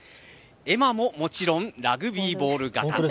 絵馬ももちろんラグビーボール形。